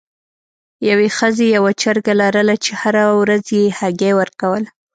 یوې ښځې یوه چرګه لرله چې هره ورځ یې هګۍ ورکوله.